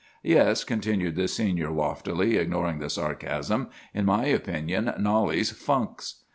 "'Yes,' continued the Senior loftily, ignoring the sarcasm; 'in my opinion Knollys funks.